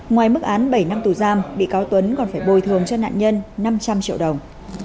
ngoài mức án bảy năm tù giam bị cáo tuấn còn phải bồi thường cho nạn nhân năm trăm linh triệu đồng